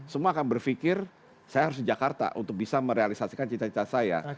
semua akan berpikir saya harus di jakarta untuk bisa merealisasikan cita cita saya